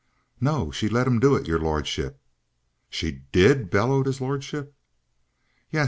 "No. She let 'im do it, your lordship." "She did?" bellowed his lordship. "Yes.